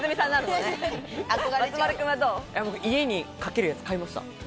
家にかけるやつ買いました。